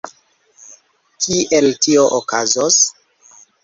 Kiel tio okazos?